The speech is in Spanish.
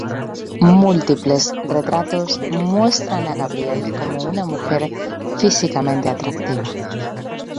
Múltiples retratos muestran a Gabrielle como una mujer físicamente atractiva.